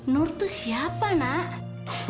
nur tuh siapa nak